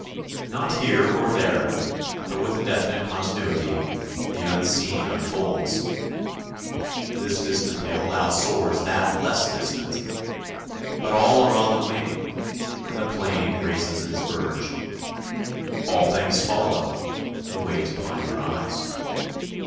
Not here or there, but with a definite continuity, the unseen unfolds. This distant hill outsoars that less distant, but all are on the wing, and the plain raises its verge. All things follow and wait upon your eyes.